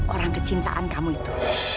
orang kecintaan kamu itu